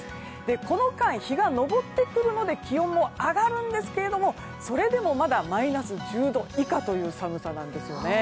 この間、日が昇ってくるまで気温が上がるんですがそれでもまだマイナス１０度以下という寒さなんですよね。